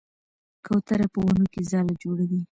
کوتره په ونو کې ځاله جوړوي.